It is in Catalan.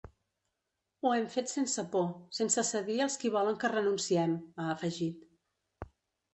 Ho hem fet sense por, sense cedir als qui volen que renunciem, ha afegit.